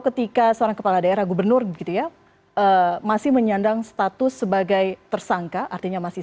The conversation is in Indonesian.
ketika seorang kepala daerah gubernur gitu ya masih menyandang status sebagai tersangka artinya masih